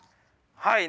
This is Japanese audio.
はい。